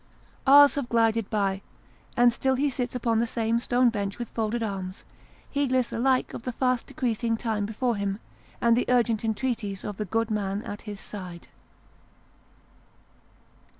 Hours have glided by, and still he sits upon the same stone bench with folded arms, heedless alike of the fast decreasing time before him, and the urgent entreaties of the good man at his side.